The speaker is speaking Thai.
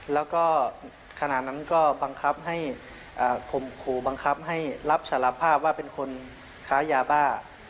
แล้วก็ขณะนั้นก็บังคับให้ข่มขู่บังคับให้รับสารภาพว่าเป็นคนค้ายาบ้า